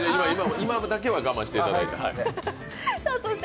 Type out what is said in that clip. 今だけは我慢していただいて。